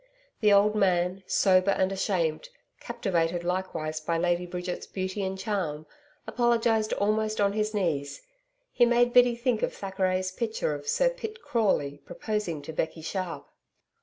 The old man, sober and ashamed, captivated likewise by Lady Bridget's beauty and charm, apologised almost on his knees he made Biddy think of Thackeray's picture of Sir Pitt Crawley proposing to Becky Sharp.